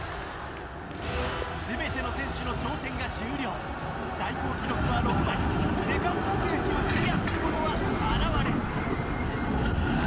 全ての選手の挑戦が終了最高記録は６枚セカンドステージをクリアする者は現れずさあ